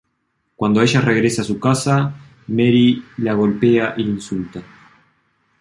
Cuando ella regresa a su casa, Mary la golpea y la insulta.